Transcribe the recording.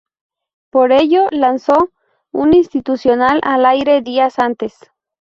Por ello, lanzó un institucional al aire días antes.